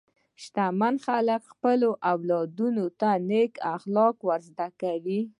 شتمن خلک خپل اولاد ته نېک اخلاق ورزده کوي.